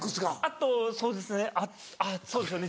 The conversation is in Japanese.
あとそうですねあっあっそうですよね